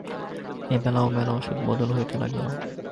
এবেলা ওবেলা ওষুধ বদল হইতে লাগিল।